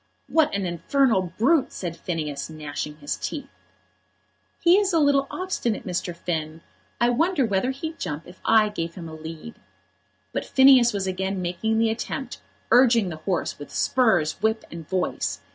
"What an infernal brute!" said Phineas, gnashing his teeth. "He is a little obstinate, Mr. Finn; I wonder whether he'd jump if I gave him a lead." But Phineas was again making the attempt, urging the horse with spurs, whip, and voice.